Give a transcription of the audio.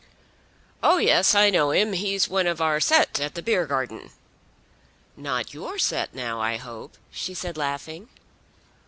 "Oh yes, I know him. He's one of our set at the Beargarden." "Not your set, now, I hope," she said laughing.